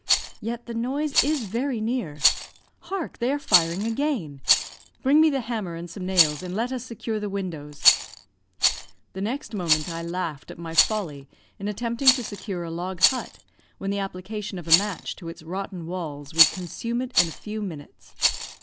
Yet the noise is very near. Hark! they are firing again. Bring me the hammer and some nails, and let us secure the windows." The next moment I laughed at my folly in attempting to secure a log hut, when the application of a match to its rotten walls would consume it in a few minutes.